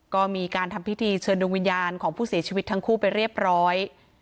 ก็มีการทำพิธีเชิญดวงวิญญาณของผู้เสียชีวิตทั้งคู่ไปเรียบร้อย